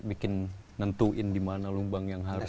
bikin nentuin di mana lubang yang harus